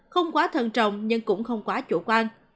không quá thân trọng nhưng cũng không quá chủ quan